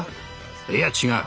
いや違う。